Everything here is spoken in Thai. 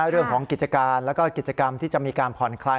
เรื่องของกิจการแล้วก็กิจกรรมที่จะมีการผ่อนคลาย